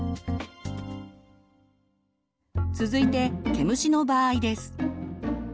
続いて毛虫の場合です。